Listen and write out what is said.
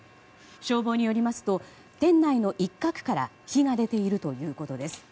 消防によりますと店内の一角から火が出ているということです。